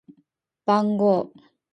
番号